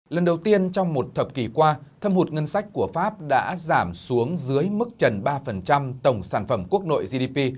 lần đầu tiên trong một thập kỷ qua thâm hụt ngân sách của pháp đã giảm xuống dưới mức trần ba tổng sản phẩm quốc nội gdp